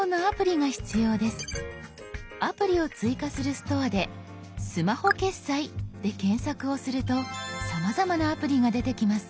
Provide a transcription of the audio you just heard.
アプリを追加する「ストア」で「スマホ決済」で検索をするとさまざまなアプリが出てきます。